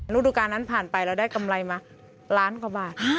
รูปการณ์ผ่านไปเราได้กำไรมาล้านกว่าบาท